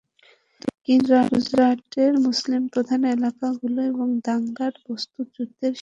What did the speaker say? কিন্তু গুজরাটের মুসলিমপ্রধান এলাকাগুলো এবং দাঙ্গায় বাস্তুচ্যুতদের শিবিরগুলোতে তখন ছিল চাপা আতঙ্ক।